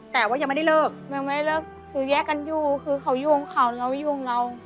แต่ว่ายังไม่ได้เลิกยังไม่ได้เลิกคือแยกกันอยู่คือเขายุ่งเขาแล้วยุ่งเรา